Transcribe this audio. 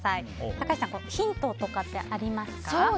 高橋さんヒントとかってありますか？